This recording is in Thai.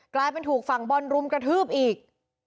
กลายเป็นถูกฝั่งบอลรุมกระทืบอีก